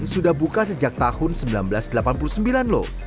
sudah buka sejak tahun seribu sembilan ratus delapan puluh sembilan loh